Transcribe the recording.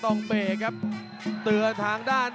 ต้องกลับทางนั้น